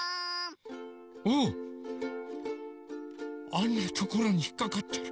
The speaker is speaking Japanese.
あんなところにひっかかってる。